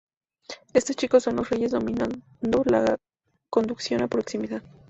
Estos chicos son los reyes dominando la conducción a proximidad.